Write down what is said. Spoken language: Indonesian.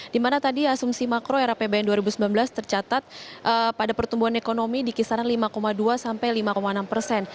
dimana tadi asumsi makro era pbn dua ribu sembilan belas tercatat pada pertumbuhan ekonomi di kisaran lima dua sampai lima enam persen